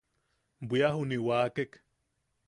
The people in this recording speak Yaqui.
Bwia juni wakek.